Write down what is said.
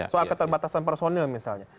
soal keterbatasan personel misalnya